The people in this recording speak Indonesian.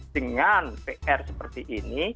dengan pr seperti ini